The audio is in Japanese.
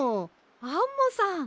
アンモさん！